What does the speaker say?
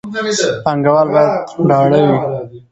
پانګوال باید ډاډه وي.